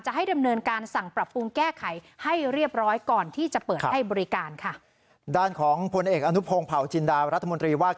ให้ดำเนินการสั่งปรับปรุงแก้ไขให้เรียบร้อยก่อนที่จะเปิดให้บริการค่ะ